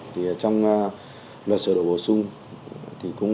trong luật sửa đổi bổ sung